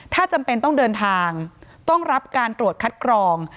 ถ้าจำเป็นต้องเดินทางต้องรับการตรวจคัดกรอง